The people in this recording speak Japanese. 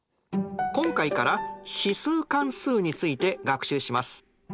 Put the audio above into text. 今回から指数関数について学習します。